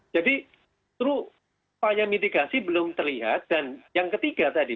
jadi trupaya mitigasi belum terlihat dan yang ketiga tadi